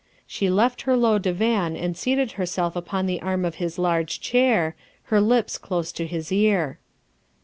She left her low divan and seated herself upon the arm of his large chair, her lips close to his ear.